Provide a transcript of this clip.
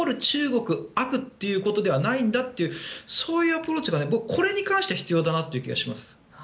中国が悪ということではないんだとそういうアプローチがこれに関しては必要だなという気がします。